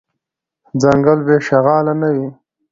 ځنګل بی شغاله نه وي .